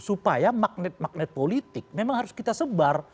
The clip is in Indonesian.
supaya magnet magnet politik memang harus kita sebar